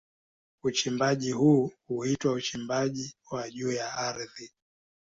Uchimbaji huu huitwa uchimbaji wa juu ya ardhi.